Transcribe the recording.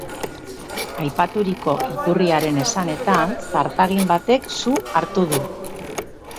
Aipaturiko iturriaren esanetan, zartagin batek su hartu du.